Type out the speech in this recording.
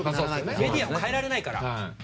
メディアは変えられないから。